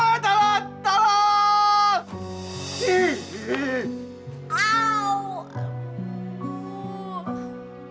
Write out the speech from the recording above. mini mau tinggal sama juragan